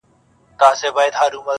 نقادان يې تحليل کوي تل،